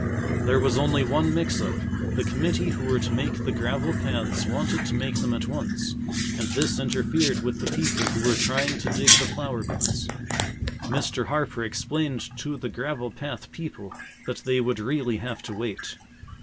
There was only one mix up. The committee who were to make the gravel paths wanted to make them at once, and this interfered with the people who were trying to dig the flower beds. Mr. Harper explained to the gravel path people that they would really have to wait.